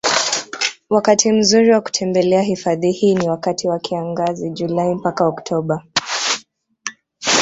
Wakati mzuri wa kutembelea hifadhi hii ni wakati wa kiangazi Julai mpaka Octoba